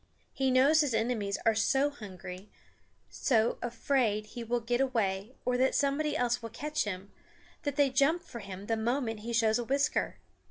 He knows his enemies are so hungry, so afraid he will get away or that somebody else will catch him, that they jump for him the moment he shows a whisker.